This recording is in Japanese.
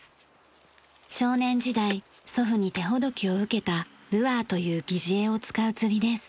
少年時代祖父に手ほどきを受けたルアーという疑似餌を使う釣りです。